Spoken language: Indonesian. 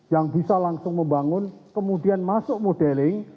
yang bisa langsung membangun kemudian masuk modeling